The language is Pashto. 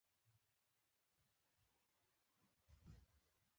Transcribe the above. ډکې وې بیا ډکې تللې ما کتلی.